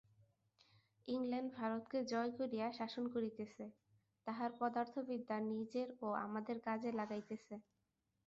England ভারতকে জয় করিয়া শাসন করিতেছে, তাহার পদার্থবিদ্যা নিজের ও আমাদের কাজে লাগাইতেছে।